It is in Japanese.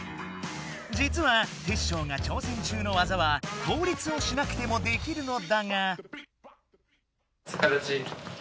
じつはテッショウがちょうせん中のわざは倒立をしなくてもできるのだが。